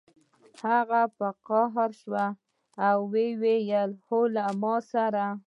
هغه په قهر شو او ویې ویل هو له ما سره